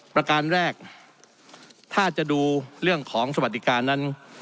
ประการแรกถ้าจะดูเรื่องของสวัสดิการนั้น